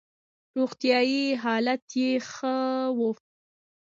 روغتیايي حالت یې ښه وو.